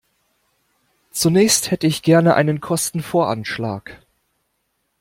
Zunächst hätte ich gerne einen Kostenvoranschlag.